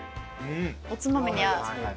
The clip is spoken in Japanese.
おつまみに合う。